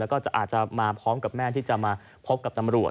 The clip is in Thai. แล้วก็อาจจะมาพร้อมกับแม่ที่จะมาพบกับตำรวจ